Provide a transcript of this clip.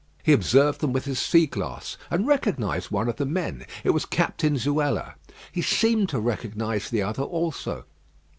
He observed them with his sea glass, and recognised one of the men. It was Captain Zuela. He seemed to recognise the other also.